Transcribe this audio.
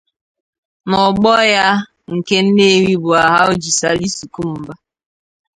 na ogbo ya nke Nnewi bụ Alhaji Salisu Kumba